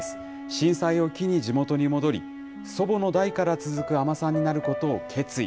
震災を機に地元に戻り、祖母の代から続く海女さんになることを決意。